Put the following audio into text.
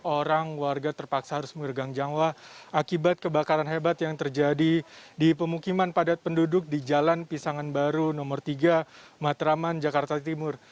empat orang warga terpaksa harus mengergang jawa akibat kebakaran hebat yang terjadi di pemukiman padat penduduk di jalan pisangan baru nomor tiga matraman jakarta timur